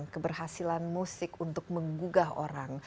keberhasilan musik untuk menggugah orang